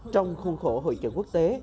trong khuôn khổ hội trợ quốc tế